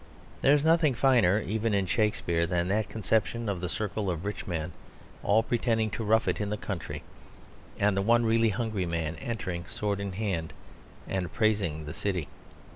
There is nothing finer even in Shakespeare than that conception of the circle of rich men all pretending to rough it in the country, and the one really hungry man entering, sword in hand, and praising the city.